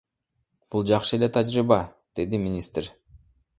Бул жакшы эле тажрыйба, — деди министр.